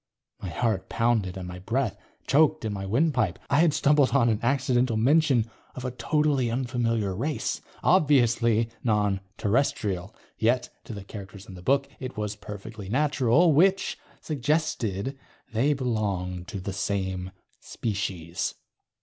My heart pounded and my breath choked in my windpipe. I had stumbled on an accidental mention of a totally unfamiliar race. Obviously non Terrestrial. Yet, to the characters in the book, it was perfectly natural which suggested they belonged to the same species.